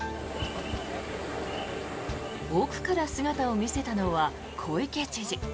奥から姿を見せたのは小池知事。